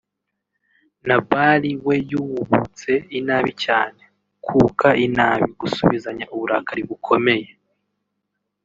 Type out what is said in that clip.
Nabali we yabūtse inabi cyane (kūka inabi = gusubizanya uburakari bukomeye)